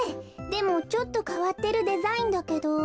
でもちょっとかわってるデザインだけど。